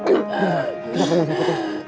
tahan ya sayang